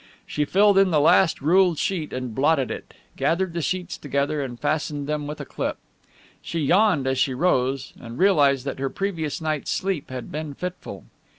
She filled in the last ruled sheet and blotted it, gathered the sheets together and fastened them with a clip. She yawned as she rose and realized that her previous night's sleep had been fitful.